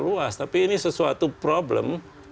luas tapi ini sesuatu problem